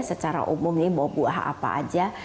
secara umum ini buah buah apa aja